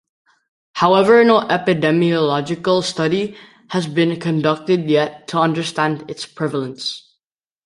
However, no epidemiological study has been conducted yet to understand its prevalence.